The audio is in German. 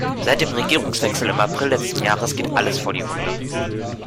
Seit dem Regierungswechsel im April letzten Jahres geht alles vor die Hunde.